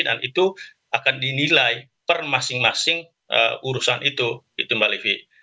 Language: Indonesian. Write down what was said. dan itu akan dinilai per masing masing urusan itu gitu mbak livi